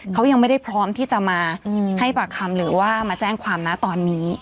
เขายังไม่ได้พร้อมที่จะมาให้ปากคำหรือว่ามาแจ้งความนะตอนนี้